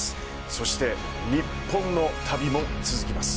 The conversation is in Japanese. そして日本の旅も続きます。